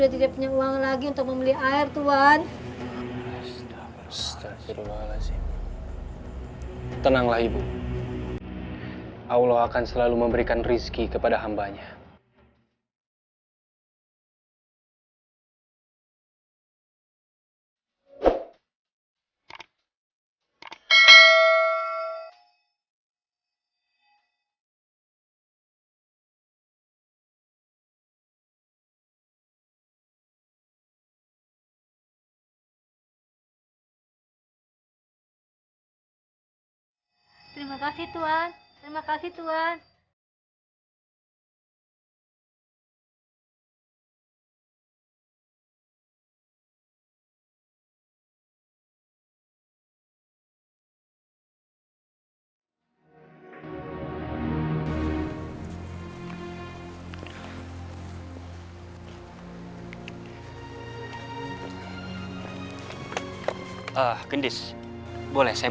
tidak usah mas